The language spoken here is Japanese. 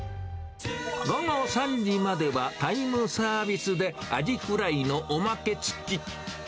午後３時まではタイムサービスで、アジフライのおまけ付き。